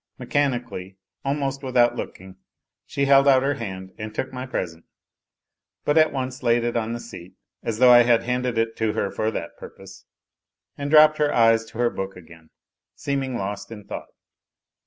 Mechani cally, almost without looking, she held out her hand and took my present ; but at once laid it on the seat as though I had handed it to her for that purpose and dropped her eyes to her book again, seeming lost in thought.